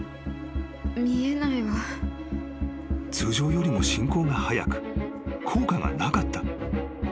［通常よりも進行が早く効果がなかった］